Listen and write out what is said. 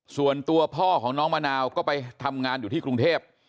ส่วนตัวพ่อของน้องมะนาวก็ไปทำงานอยู่ที่กรุงเทพ